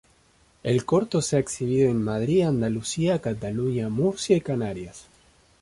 El corto se ha exhibido en Madrid, Andalucía, Cataluña, Murcia y Canarias.